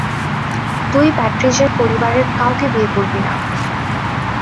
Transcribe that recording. তুই প্যাট্রিজ পরিবারের কাউকেই বিয়ে করবি না।